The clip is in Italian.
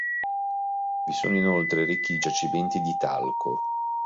Vi sono inoltre ricchi giacimenti di talco.